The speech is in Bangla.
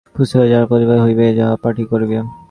পুস্তকাগারে যাহার পড়িবার ইচ্ছা হইবে, যাইয়া পাঠ করিবে।